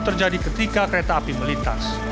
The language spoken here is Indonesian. terjadi ketika kereta api melintas